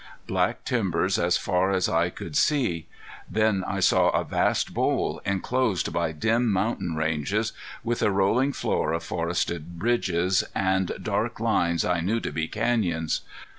Black timber as far as eye could see! Then I saw a vast bowl inclosed by dim mountain ranges, with a rolling floor of forested ridges, and dark lines I knew to be canyons.